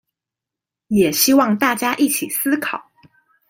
也希望大家一起思考